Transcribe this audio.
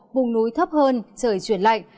bùng núi thấp hơn trời chuyển lạnh